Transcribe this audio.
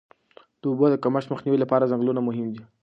د اوبو د کمښت مخنیوي لپاره ځنګلونه مهم دي.